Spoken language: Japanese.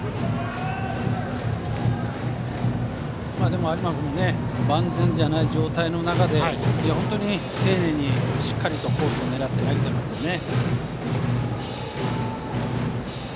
でも、有馬君も万全じゃない状態の中で本当に丁寧にしっかりとコースを狙ってい投げていますね。